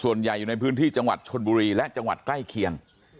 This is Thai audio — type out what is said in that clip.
อยู่ในพื้นที่จังหวัดชนบุรีและจังหวัดใกล้เคียง